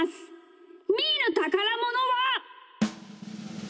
みーのたからものは。